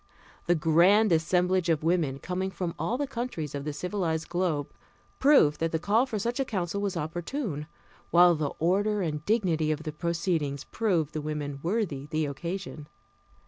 The grand assemblage of women, coming from all the countries of the civilized globe, proved that the call for such a council was opportune, while the order and dignity of the proceedings proved the women worthy the occasion.